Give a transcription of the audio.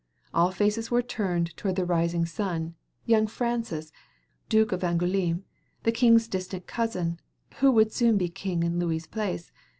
All faces were turned toward the rising sun, young Francis, duke of Angouleme, the king's distant cousin, who would soon be king in Louis's place.